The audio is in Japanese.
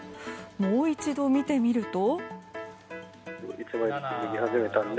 もう一度見てみると。